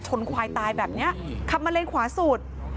ชนควายตายแบบเนี้ยขับมาเล่นขวาสูตร